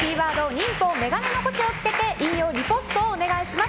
「＃忍法メガネ残し」をつけて引用リポストをお願いします。